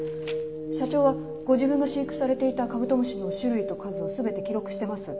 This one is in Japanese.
社長はご自分が飼育されていたカブトムシの種類と数を全て記録してます。